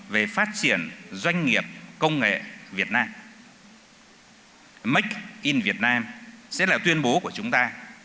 về phát triển doanh nghiệp công nghệ việt nam make in việt nam sẽ là tuyên bố của chúng ta